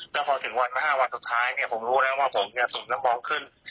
พอถึงวัน๕วันสุดท้ายผมรู้แล้วว่าผมสุดน้ำมองขึ้น